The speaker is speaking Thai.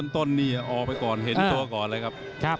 ต้นนี่ออกไปก่อนเห็นตัวก่อนเลยครับ